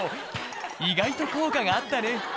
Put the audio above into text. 「意外と効果があったね」